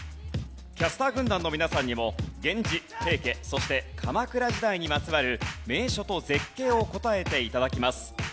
キャスター軍団の皆さんにも源氏平家そして鎌倉時代にまつわる名所と絶景を答えて頂きます。